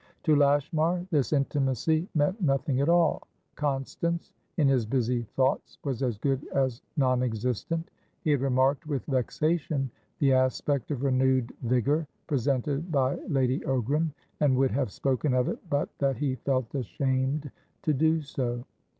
To Lashmar this intimacy meant nothing at all; Constance, in his busy thoughts, was as good as non existent. He had remarked with vexation the aspect of renewed vigour presented by Lady Ogram, and would have spoken of it, but that he felt ashamed to do so.